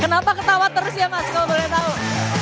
kenapa ketawa terus ya mas kalau boleh tahu